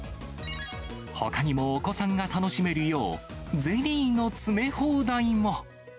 ほかにもお子さんが楽しめるよう、ゼリーの詰め放題も。